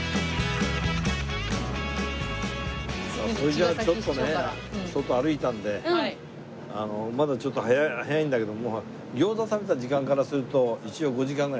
それじゃあちょっとね外歩いたのでまだちょっと早いんだけども餃子食べた時間からすると一応５時間ぐらい経ってるから。